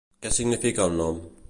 Què significa el nom?